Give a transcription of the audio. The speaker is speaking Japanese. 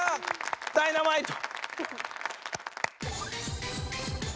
ダイナマイト！